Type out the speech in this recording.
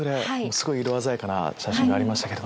すごい色鮮やかな写真がありましたけども。